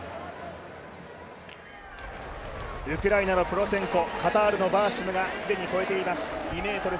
ウクライナのプロツェンコ、カタールのバーシムが既に越えています